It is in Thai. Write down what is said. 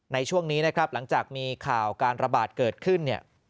ในช่วงนี้นะครับหลังจากมีข่าวการระบาดเกิดขึ้นเนี่ย